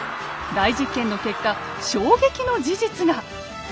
大実験の結果衝撃の事実が！